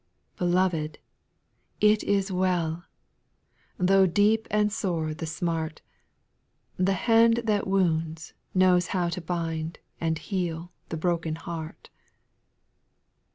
2. Beloved, '' it is well I" Tho' deep and sore the smart, The hand that wounds knows how to bind, And heal the broken heart.